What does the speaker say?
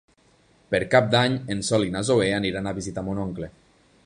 Per Cap d'Any en Sol i na Zoè aniran a visitar mon oncle.